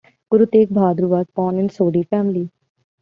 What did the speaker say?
Guru Tegh Bahadur was born in a Sodhi Family.